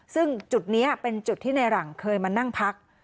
ซึ่งจุดนี้เป็นจุดที่ในหลังเคยมานั่งพัก